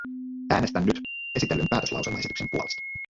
Äänestän nyt esitellyn päätöslauselmaesityksen puolesta.